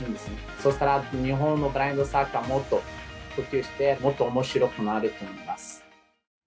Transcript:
そしたら日本のブラインドサッカーもっと普及してもっとおもしろくなると思います。